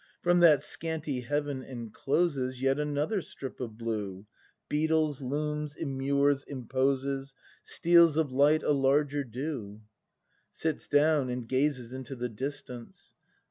From that scanty heaven encloses Yet another strip of blue, Beetles, looms, immures, imposes — Steals of light a larger due. [Sits down and gazes into tlie distance.